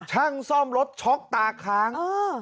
ช่างซ่อมรถช็อกตาค้าง